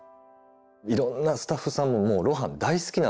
いろんなスタッフさんももう露伴大好きなわけですよ。